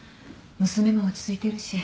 娘も落ち着いてるし。